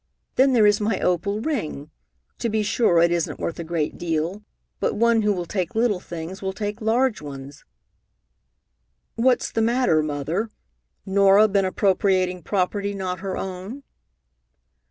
Then there is my opal ring. To be sure, it isn't worth a great deal, but one who will take little things will take large ones." "What's the matter, Mother? Norah been appropriating property not her own?"